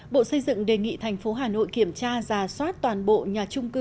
bộ xây dựng đề nghị thành phố hà nội kiểm tra giả soát toàn bộ nhà chung cung